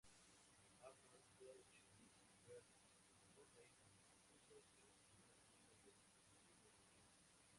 Arnold Crouch y Gilbert Bodley son socios en una tienda de abrigos de piel.